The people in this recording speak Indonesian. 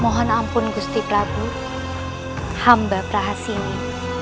mohon ampun gusti prabu hamba prahasini